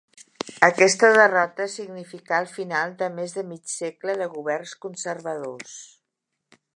Aquesta derrota significà el final de més de mig segle de governs conservadors.